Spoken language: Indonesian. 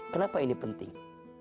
kenapa ini penting